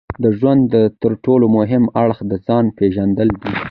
د ژوند ترټولو مهم اړخ د ځان پېژندل دي.